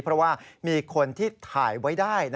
เพราะว่ามีคนที่ถ่ายไว้ได้